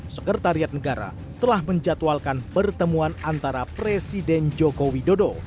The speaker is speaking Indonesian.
sekretariat negara telah menjatuhalkan pertemuan antara presiden joko widodo